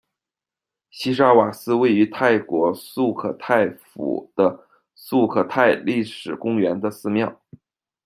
西沙瓦寺位于泰国素可泰府的素可泰历史公园的寺庙。